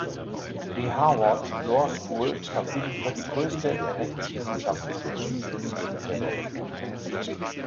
Die Harvard Law School verfügt über die größte rechtswissenschaftliche Bibliothek der Welt.